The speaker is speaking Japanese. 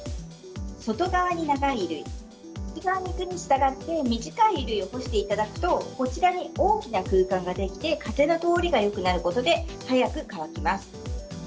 外側に長い衣類、内側にいくにしたがって短い衣類を干していただくと、こちらに大きな空間が出来て、風の通りがよくなることで早く乾きます。